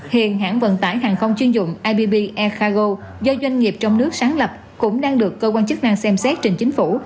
hiện hãng vận tải hàng không chuyên dụng ibb air cago do doanh nghiệp trong nước sáng lập cũng đang được cơ quan chức năng xem xét trình chính phủ